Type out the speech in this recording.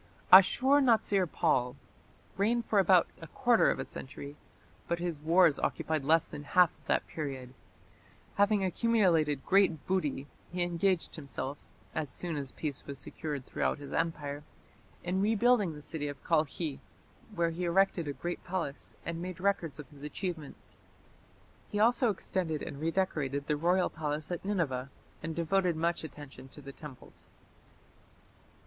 Ashur natsir pal reigned for about a quarter of a century, but his wars occupied less than half of that period. Having accumulated great booty, he engaged himself, as soon as peace was secured throughout his empire, in rebuilding the city of Kalkhi, where he erected a great palace and made records of his achievements. He also extended and redecorated the royal palace at Nineveh, and devoted much attention to the temples.